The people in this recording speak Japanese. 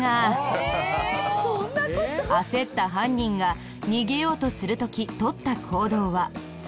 焦った犯人が逃げようとする時取った行動は。